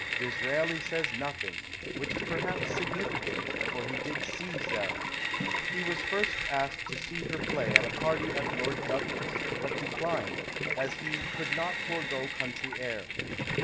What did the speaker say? Disraeli says nothing, which is perhaps significant, for he did see Sarah. He was first asked to see her play at a partj" at Lord Dudley's, but declined, as he " could not forgo country air."